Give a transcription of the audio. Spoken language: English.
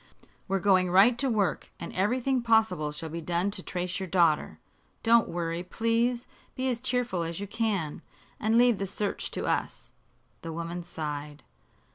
We're going right to work, and everything possible shall be done to trace your daughter. Don't worry, please. Be as cheerful as you can, and leave the search to us." The woman sighed.